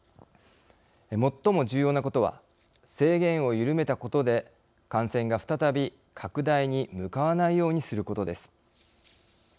最も重要なことは制限を緩めたことで感染が再び拡大に向かわないようにすることです。